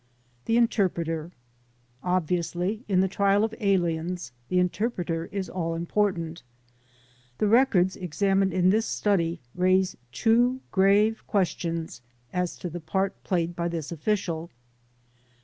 The Interpreter. Obviously, in the trial of aliens the interpreter is all important. The records examined in this study raise two grave questions as to the part played by this official.